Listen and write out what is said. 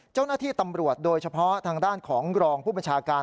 เจ้าหน้าที่ตำรวจโดยเฉพาะทางด้านของรองผู้บัญชาการ